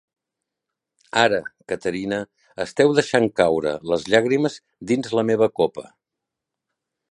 Ara, Caterina, esteu deixant caure les llàgrimes dins la meva copa.